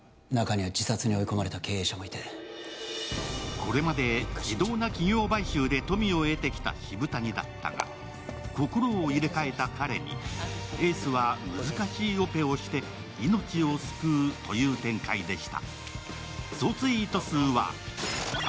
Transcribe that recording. これまで非道な企業買収で富を得てきた渋谷だったが心を入れ替えた彼に、エースは難しいオペをして命を救うという展開でした。